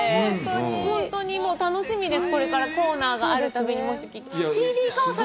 本当に楽しみです、これからコーナーがあるたびにもし聞けたら。